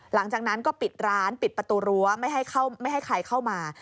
หลังจากนั้นก็ปิดร้านปิดประตูรั้วไม่ให้ใครเข้ามา